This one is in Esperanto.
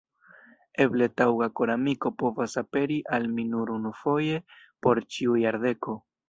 Eble taŭga koramiko povas aperi al mi nur unufoje por ĉiu jardeko.